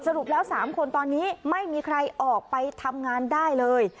รุปแล้ว๓คนตอนนี้ไม่มีใครออกไปทำงานได้เลย